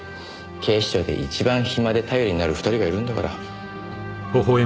警視庁で一番暇で頼りになる２人がいるんだから。